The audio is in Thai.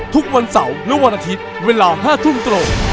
ทุกวันเสาร์และวันอาทิตย์เวลา๕ทุ่มตรง